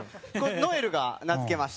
如恵留が名付けました。